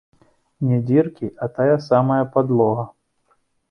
Не дзіркі, а тая самая падлога!